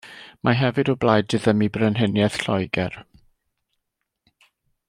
Mae hefyd o blaid diddymu Brenhiniaeth Lloegr.